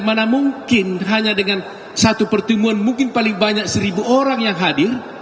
mana mungkin hanya dengan satu pertemuan mungkin paling banyak seribu orang yang hadir